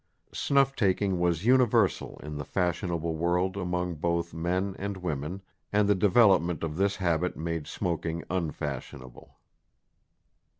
Snuff taking was universal in the fashionable world among both men and women; and the development of this habit made smoking unfashionable.